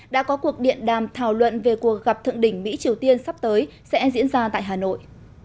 đã có cuộc điện đàm thảo luận về cuộc gặp thượng đỉnh mỹ triều tiên sắp tới sẽ diễn ra tại hà nội